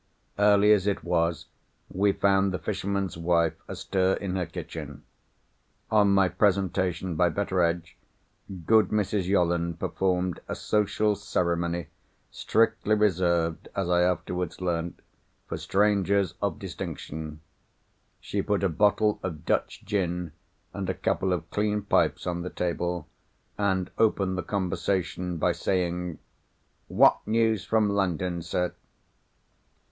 Early as it was, we found the fisherman's wife astir in her kitchen. On my presentation by Betteredge, good Mrs. Yolland performed a social ceremony, strictly reserved (as I afterwards learnt) for strangers of distinction. She put a bottle of Dutch gin and a couple of clean pipes on the table, and opened the conversation by saying, "What news from London, sir?"